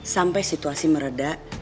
sampe situasi meredah